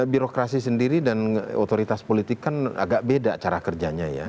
birokrasi sendiri dan otoritas politik kan agak beda cara kerjanya ya